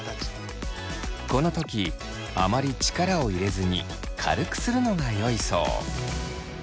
この時あまり力を入れずに軽くするのがよいそう。